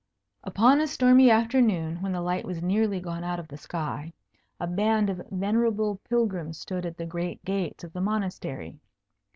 Upon a stormy afternoon, when the light was nearly gone out of the sky, a band of venerable pilgrims stood at the great gates of the Monastery.